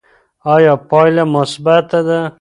ایا پایله مثبته ده؟